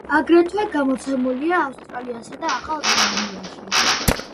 აგრეთვე გამოცემულია ავსტრალიასა და ახალ ზელანდიაში.